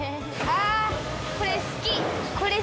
これ好き。